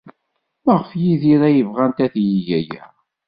Maɣef d Yidir ay bɣant ad yeg aya?